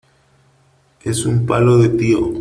Es un palo de tío.